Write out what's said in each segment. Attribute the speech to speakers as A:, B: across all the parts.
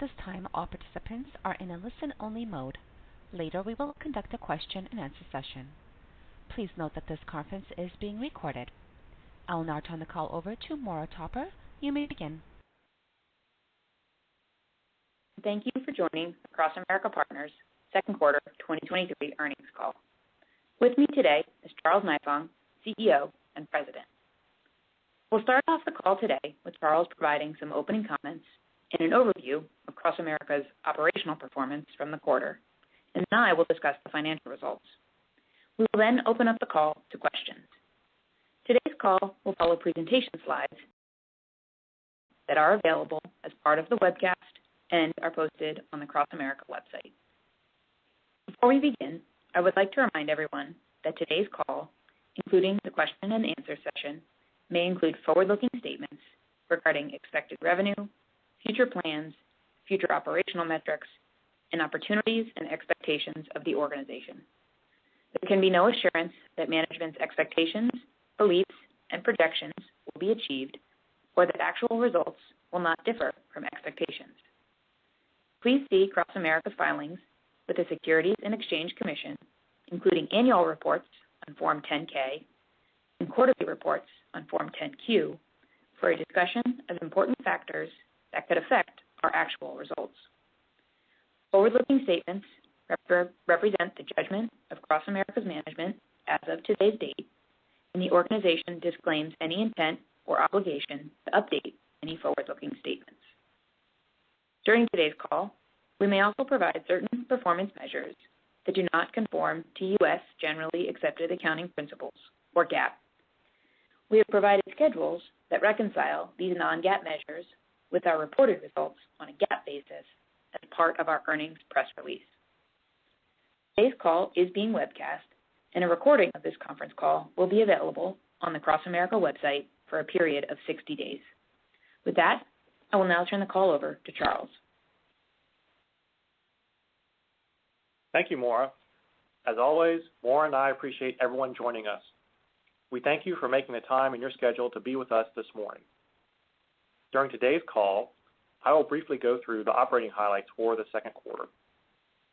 A: At this time, all participants are in a listen-only mode. Later, we will conduct a question-and-answer session. Please note that this conference is being recorded. I will now turn the call over to Maura Topper. You may begin.
B: Thank you for joining CrossAmerica Partners' Second Quarter of 2023 Earnings Call. With me today is Charles Nifong, CEO and President. We'll start off the call today with Charles providing some opening comments and an overview of CrossAmerica's operational performance from the quarter, then I will discuss the financial results. We will then open up the call to questions. Today's call will follow presentation slides that are available as part of the webcast and are posted on the CrossAmerica website. Before we begin, I would like to remind everyone that today's call, including the question-and-answer session, may include forward-looking statements regarding expected revenue, future plans, future operational metrics, and opportunities and expectations of the organization. There can be no assurance that management's expectations, beliefs, and projections will be achieved or that actual results will not differ from expectations. Please see CrossAmerica's filings with the Securities and Exchange Commission, including annual reports on Form 10-K and quarterly reports on Form 10-Q, for a discussion of important factors that could affect our actual results. Forward-looking statements represent the judgment of CrossAmerica's management as of today's date. The organization disclaims any intent or obligation to update any forward-looking statements. During today's call, we may also provide certain performance measures that do not conform to U.S. generally accepted accounting principles or GAAP. We have provided schedules that reconcile these non-GAAP measures with our reported results on a GAAP basis as part of our earnings press release. Today's call is being webcast. A recording of this conference call will be available on the CrossAmerica website for a period of 60 days. With that, I will now turn the call over to Charles.
C: Thank you, Maura. As always, Maura and I appreciate everyone joining us. We thank you for making the time in your schedule to be with us this morning. During today's call, I will briefly go through the operating highlights for the second quarter.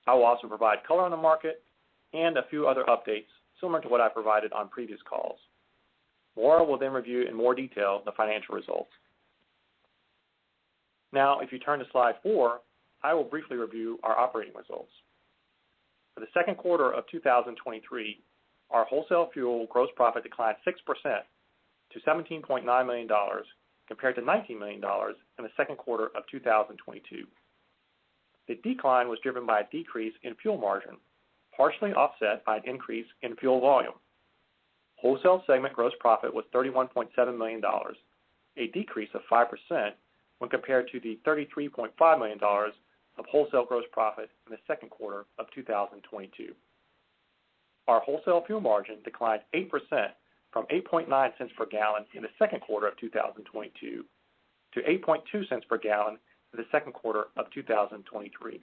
C: I will also provide color on the market and a few other updates similar to what I provided on previous calls. Maura will review in more detail the financial results. If you turn to slide 4, I will briefly review our operating results. For the second quarter of 2023, our wholesale fuel gross profit declined 6% - $17.9 million, compared to $19 million in the second quarter of 2022. The decline was driven by a decrease in fuel margin, partially offset by an increase in fuel volume. Wholesale segment gross profit was $31.7 million, a decrease of 5% when compared to the $33.5 million of wholesale gross profit in the second quarter of 2022. Our wholesale fuel margin declined 8% from 8.9 cents per gal in the second quarter of 2022 - 8.2 cents per gal in the second quarter of 2023.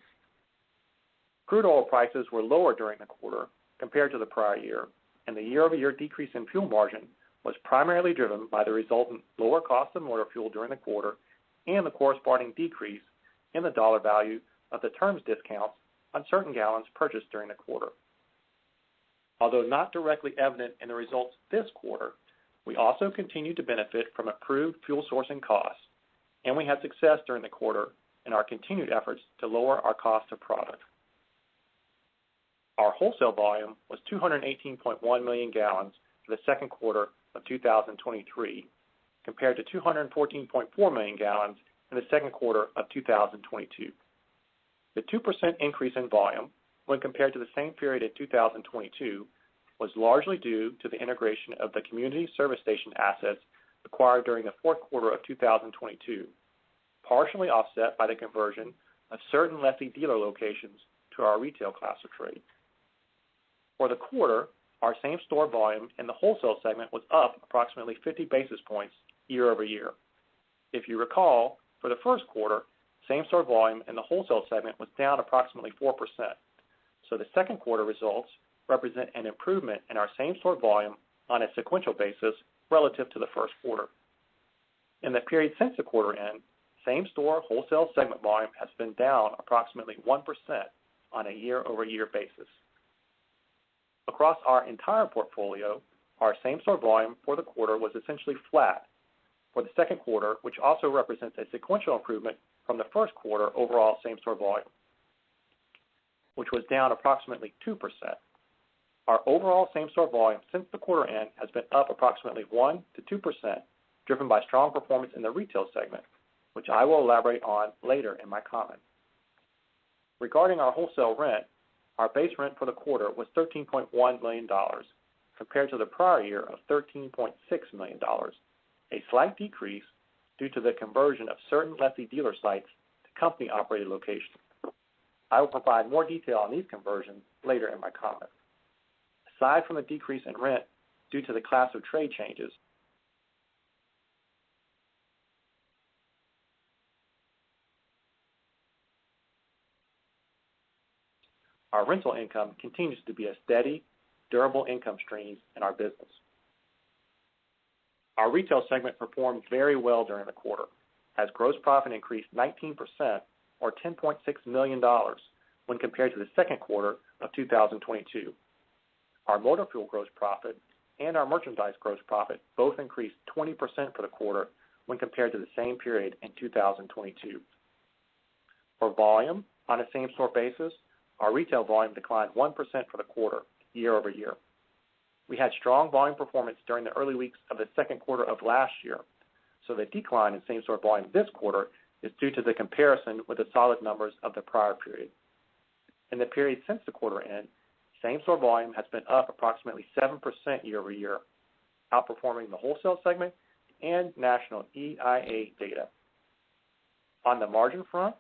C: Crude oil prices were lower during the quarter compared to the prior year, and the year-over-year decrease in fuel margin was primarily driven by the resultant lower cost of motor fuel during the quarter and the corresponding decrease in the dollar value of the terms discounts on certain gallons purchased during the quarter. Although not directly evident in the results this quarter, we also continued to benefit from improved fuel sourcing costs, and we had success during the quarter in our continued efforts to lower our cost of product. Our wholesale volume was 218.1 million gal in the second quarter of 2023, compared to 214.4 million gal in the second quarter of 2022. The 2% increase in volume when compared to the same period in 2022, was largely due to the integration of the Community Service Stations assets acquired during the fourth quarter of 2022, partially offset by the conversion of certain lessee dealer locations to our retail class of trade. For the quarter, our same-store volume in the wholesale segment was up approximately 50 basis points year-over-year. If you recall, for the first quarter, same-store volume in the wholesale segment was down approximately 4%. The second quarter results represent an improvement in our same-store volume on a sequential basis relative to the first quarter. In the period since the quarter end, same-store wholesale segment volume has been down approximately 1% on a year-over-year basis. Across our entire portfolio, our same-store volume for the quarter was essentially flat for the second quarter, which also represents a sequential improvement from the first quarter overall same-store volume, which was down approximately 2%. Our overall same-store volume since the quarter end has been up approximately 1% - 2%, driven by strong performance in the retail segment, which I will elaborate on later in my comments. Regarding our wholesale rent, our base rent for the quarter was $13.1 million, compared to the prior year of $13.6 million, a slight decrease due to the conversion of certain lessee dealer sites to company-operated locations. I will provide more detail on these conversions later in my comments. Aside from a decrease in rent due to the class of trade changes. Our rental income continues to be a steady, durable income stream in our business. Our retail segment performed very well during the quarter, as gross profit increased 19% or $10.6 million when compared to the second quarter of 2022. Our motor fuel gross profit and our merchandise gross profit both increased 20% for the quarter when compared to the same period in 2022. For volume, on a same-store basis, our retail volume declined 1% for the quarter year-over-year. We had strong volume performance during the early weeks of the second quarter of last year, so the decline in same-store volume this quarter is due to the comparison with the solid numbers of the prior period. In the period since the quarter end, same-store volume has been up approximately 7% year-over-year, outperforming the wholesale segment and national EIA data. On the margin front,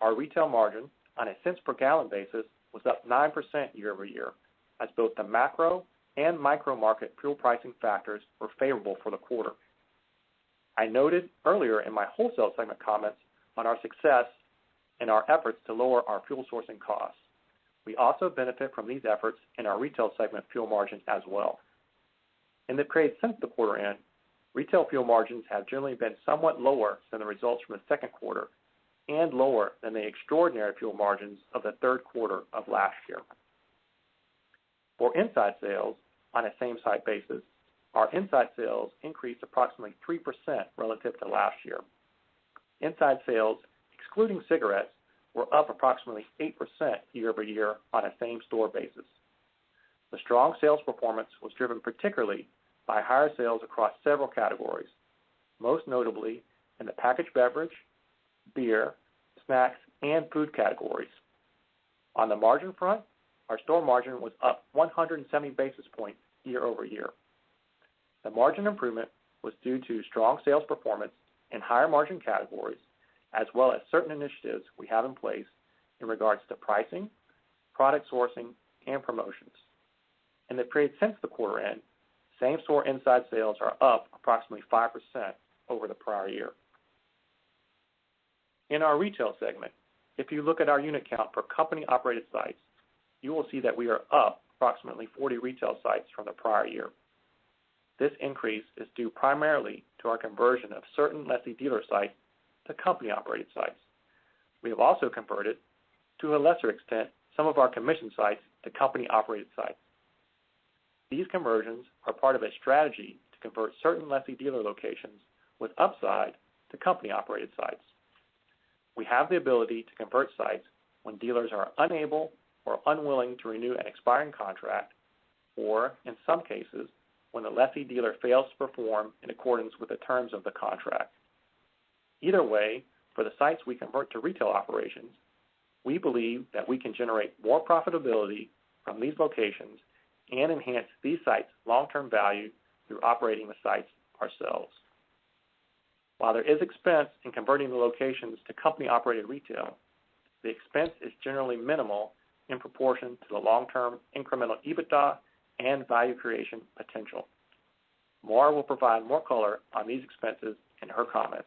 C: our retail margin on a cents per gallon basis was up 9% year-over-year, as both the macro and micro market fuel pricing factors were favorable for the quarter. I noted earlier in my wholesale segment comments on our success and our efforts to lower our fuel sourcing costs. We also benefit from these efforts in our retail segment fuel margin as well. In the period since the quarter end, retail fuel margins have generally been somewhat lower than the results from the second quarter and lower than the extraordinary fuel margins of the third quarter of last year. For inside sales, on a same-site basis, our inside sales increased approximately 3% relative to last year. Inside sales, excluding cigarettes, were up approximately 8% year-over-year on a same-store basis. The strong sales performance was driven particularly by higher sales across several categories, most notably in the packaged beverage, beer, snacks, and food categories. On the margin front, our store margin was up 170 basis points year-over-year. The margin improvement was due to strong sales performance in higher-margin categories, as well as certain initiatives we have in place in regards to pricing, product sourcing, and promotions. In the period since the quarter end, same-store inside sales are up approximately 5% over the prior year. In our retail segment, if you look at our unit count for company-operated sites, you will see that we are up approximately 40 retail sites from the prior year. This increase is due primarily to our conversion of certain lessee dealer sites to company-operated sites. We have also converted, to a lesser extent, some of our commission sites to company-operated sites. These conversions are part of a strategy to convert certain lessee dealer locations with upside to company-operated sites. We have the ability to convert sites when dealers are unable or unwilling to renew an expiring contract, or in some cases, when the lessee dealer fails to perform in accordance with the terms of the contract. Either way, for the sites we convert to retail operations, we believe that we can generate more profitability from these locations and enhance these sites' long-term value through operating the sites ourselves. While there is expense in converting the locations to company-operated retail, the expense is generally minimal in proportion to the long-term incremental EBITDA and value creation potential. Maura will provide more color on these expenses in her comments.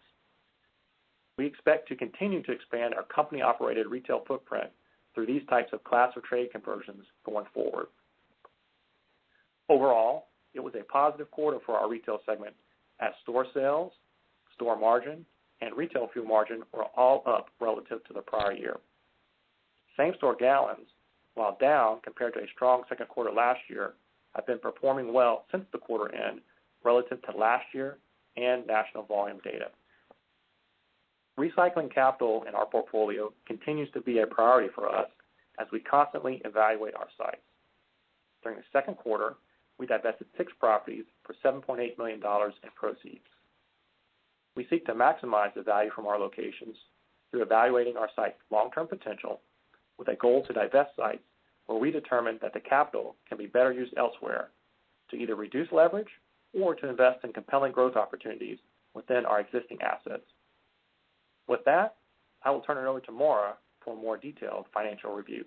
C: We expect to continue to expand our company-operated retail footprint through these types of class of trade conversions going forward. Overall, it was a positive quarter for our retail segment as store sales, store margin, and retail fuel margin were all up relative to the prior year. Same-store gallons, while down compared to a strong second quarter last year, have been performing well since the quarter end relative to last year and national volume data. Recycling capital in our portfolio continues to be a priority for us as we constantly evaluate our sites. During the second quarter, we divested six properties for $7.8 million in proceeds. We seek to maximize the value from our locations through evaluating our sites' long-term potential, with a goal to divest sites where we determine that the capital can be better used elsewhere to either reduce leverage or to invest in compelling growth opportunities within our existing assets. With that, I will turn it over to Maura for a more detailed financial review.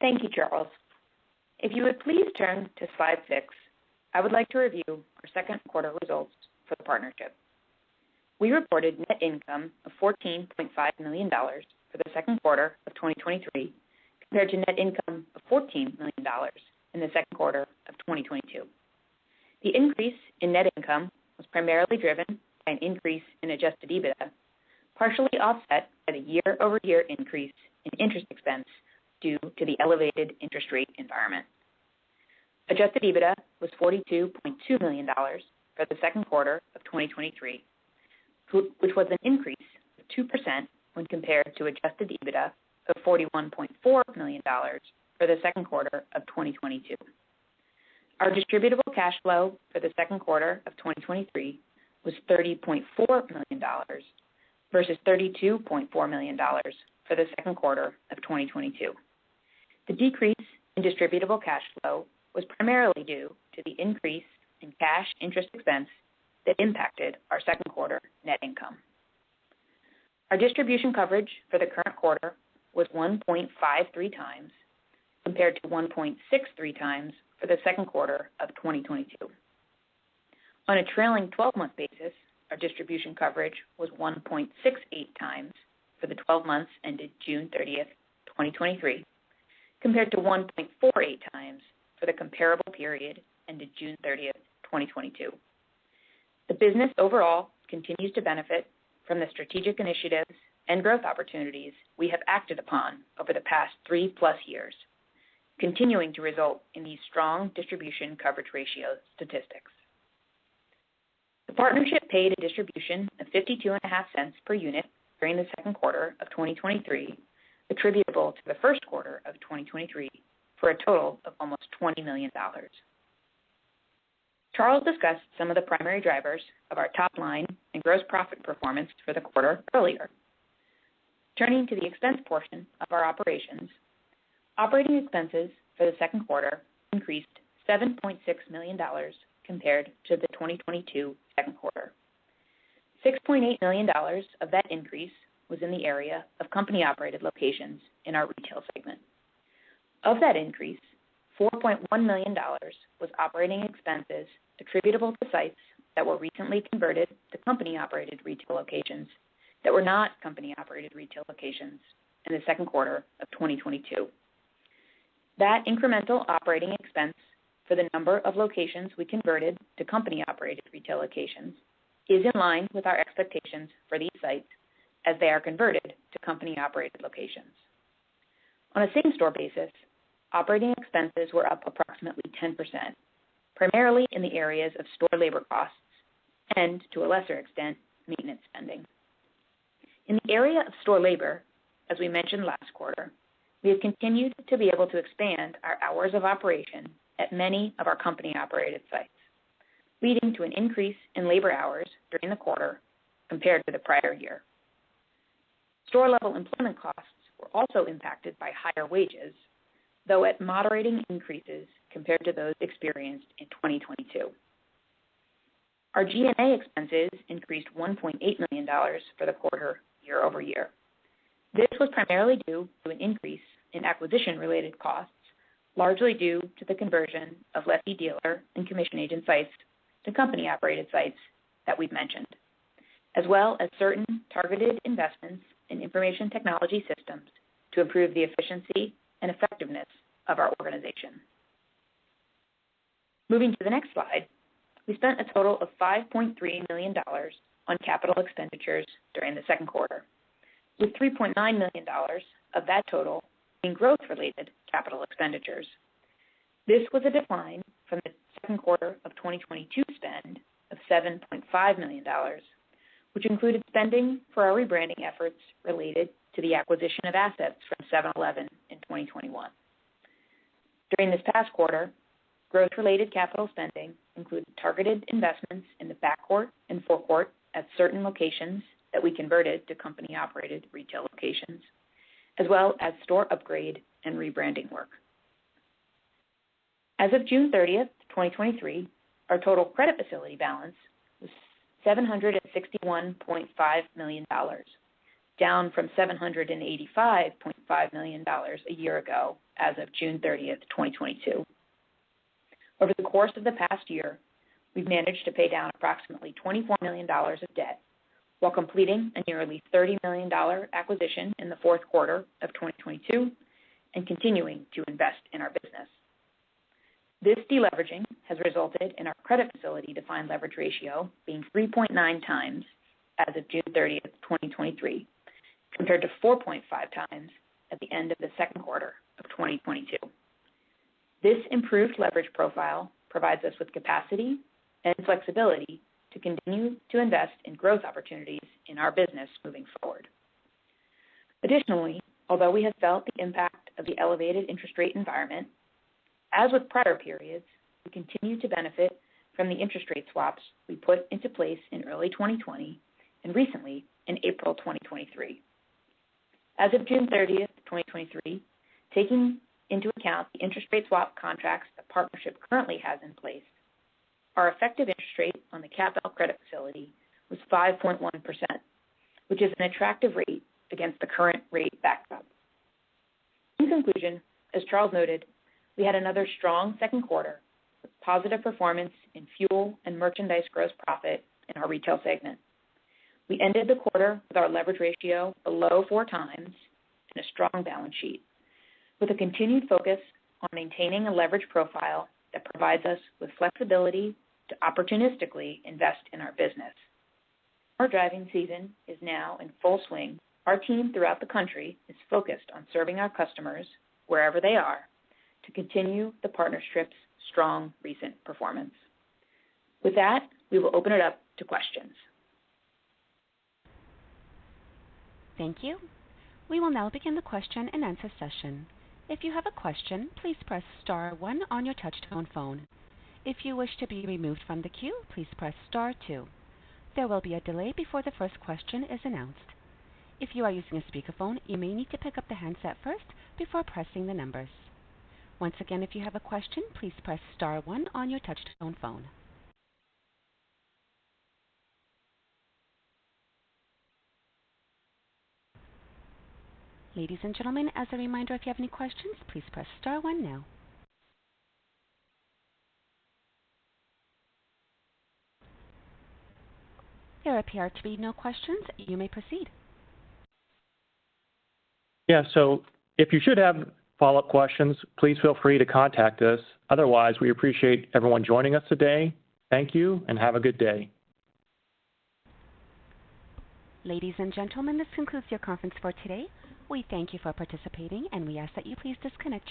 B: Thank you, Charles. If you would please turn to slide six, I would like to review our second quarter results for the partnership. We reported net income of $14.5 million for the second quarter of 2023, compared to net income of $14 million in the second quarter of 2022. The increase in net income was primarily driven by an increase in Adjusted EBITDA, partially offset by the year-over-year increase in interest expense due to the elevated interest rate environment. Adjusted EBITDA was $42.2 million for the second quarter of 2023, which was an increase of 2% when compared to Adjusted EBITDA of $41.4 million for the second quarter of 2022. Our Distributable Cash Flow for the second quarter of 2023 was $30.4 million, versus $32.4 million for the second quarter of 2022. The decrease in Distributable Cash Flow was primarily due to the increase in cash interest expense that impacted our second quarter net income. Our Distribution Coverage for the current quarter was 1.53 times, compared to 1.63 times for the second quarter of 2022. On a trailing 12-month basis, our Distribution Coverage was 1.68 times for the 12 months ended June 30th, 2023, compared to 1.48 times for the comparable period ended June 30th, 2022. The business overall continues to benefit from the strategic initiatives and growth opportunities we have acted upon over the past three-plus years, continuing to result in these strong Distribution Coverage Ratio statistics. The partnership paid a distribution of $0.525 per unit during the second quarter of 2023, attributable to the first quarter of 2023, for a total of almost $20 million. Charles discussed some of the primary drivers of our top line and gross profit performance for the quarter earlier. Turning to the expense portion of our operations, operating expenses for the second quarter increased $7.6 million compared to the 2022 second quarter. $6.8 million of that increase was in the area of company-operated locations in our retail segment. Of that increase, $4.1 million was operating expenses attributable to sites that were recently converted to company-operated retail locations that were not company-operated retail locations in the second quarter of 2022. That incremental operating expense for the number of locations we converted to company-operated retail locations is in line with our expectations for these sites as they are converted to company-operated locations. On a same-store basis, operating expenses were up approximately 10%, primarily in the areas of store labor costs and, to a lesser extent, maintenance spending. In the area of store labor, as we mentioned last quarter, we have continued to be able to expand our hours of operation at many of our company-operated sites, leading to an increase in labor hours during the quarter compared to the prior year. Store-level employment costs were also impacted by higher wages, though at moderating increases compared to those experienced in 2022. Our G&A expenses increased $1.8 million for the quarter year-over-year. This was primarily due to an increase in acquisition-related costs, largely due to the conversion of lessee dealer and commission agent sites to company-operated sites that we've mentioned, as well as certain targeted investments in information technology systems to improve the efficiency and effectiveness of our organization. Moving to the next slide, we spent a total of $5.3 million on capital expenditures during the second quarter, with $3.9 million of that total in growth-related capital expenditures. This was a decline from the second quarter of 2022 spend of $7.5 million, which included spending for our rebranding efforts related to the acquisition of assets from 7-Eleven in 2021. During this past quarter, growth-related capital spending included targeted investments in the backcourt and forecourt at certain locations that we converted to company-operated retail locations, as well as store upgrade and rebranding work. As of June 30th, 2023, our total credit facility balance was $761.5 million, down from $785.5 million a year ago as of June 30th, 2022. Over the course of the past year, we've managed to pay down approximately $24 million of debt while completing a nearly $30 million acquisition in the fourth quarter of 2022 and continuing to invest in our business. This deleveraging has resulted in our credit facility defined leverage ratio being 3.9 times as of June 30th, 2023, compared to 4.5x at the end of the second quarter of 2022. This improved leverage profile provides us with capacity and flexibility to continue to invest in growth opportunities in our business moving forward. Additionally, although we have felt the impact of the elevated interest rate environment, as with prior periods, we continue to benefit from the interest rate swaps we put into place in early 2020 and recently in April 2023. As of June 30th, 2023, taking into account the interest rate swap contracts the partnership currently has in place, our effective interest rate on the CAPL Credit Facility was 5.1%, which is an attractive rate against the current rate backdrop. In conclusion, as Charles Nifong noted, we had another strong second quarter with positive performance in fuel and merchandise gross profit in our retail segment. We ended the quarter with our leverage ratio below 4x and a strong balance sheet, with a continued focus on maintaining a leverage profile that provides us with flexibility to opportunistically invest in our business. Our driving season is now in full swing. Our team throughout the country is focused on serving our customers wherever they are, to continue the partnership's strong recent performance. With that, we will open it up to questions.
A: Thank you. We will now begin the question-and-answer session. If you have a question, please press star one on your touchtone phone. If you wish to be removed from the queue, please press star two. There will be a delay before the first question is announced. If you are using a speakerphone, you may need to pick up the handset first before pressing the numbers. Once again, if you have a question, please press star one on your touchtone phone. Ladies and gentlemen, as a reminder, if you have any questions, please press star one now. There appear to be no questions. You may proceed.
D: Yeah, if you should have follow-up questions, please feel free to contact us. Otherwise, we appreciate everyone joining us today. Thank you, and have a good day.
A: Ladies and gentlemen, this concludes your conference for today. We thank you for participating, and we ask that you please disconnect your-